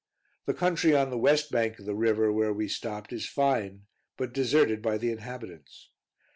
The country on the west bank of the river, where we stopped, is fine, but deserted by the inhabitants.